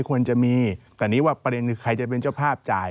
ควรจะมีแต่นี่ว่าประเด็นคือใครจะเป็นเจ้าภาพจ่าย